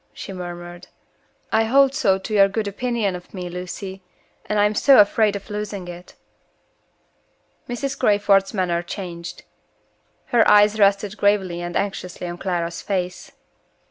she murmured. "I hold so to your good opinion of me, Lucy and I am so afraid of losing it." Mrs. Crayford's manner changed. Her eyes rested gravely and anxiously on Clara's face.